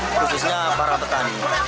khususnya para petani